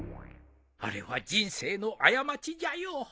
あれは人生の過ちじゃよ。